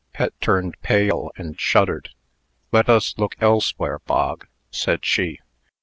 Pet turned pale, and shuddered. "Let us look elsewhere, Bog," said she.